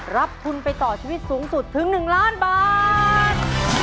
รับทุนไปต่อชีวิตสูงสุดถึง๑ล้านบาท